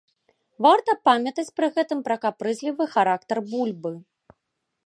Варта памятаць пры гэтым пра капрызлівы характар бульбы.